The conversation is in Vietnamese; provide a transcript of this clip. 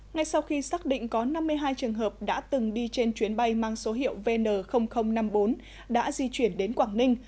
ngay sau khi xác định có năm mươi hai trường hợp đã từng đi trên chuyến bay mang số hiệu vn năm mươi bốn đã di chuyển đến quảng ninh